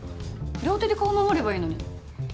両手で顔守ればいいのに。